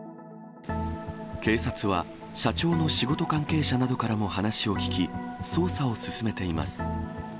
警察は、社長の仕事関係者などからも話を聴き、捜査を進めています。